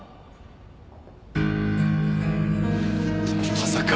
まさか！